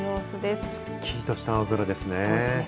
すっきりとした青空ですね。